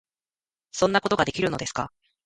「そんなことができるのですか？」